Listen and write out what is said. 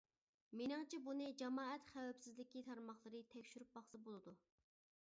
مېنىڭچە بۇنى جامائەت خەۋپسىزلىكى تارماقلىرى تەكشۈرۈپ باقسا بولىدۇ.